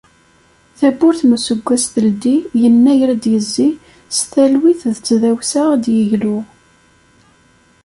Tawwurt n useggas teldi, yennayer ad d-yezzi s talwit d tdawsa ad d-yeglu.